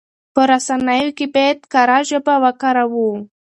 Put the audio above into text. په رسنيو کې بايد کره ژبه وکاروو.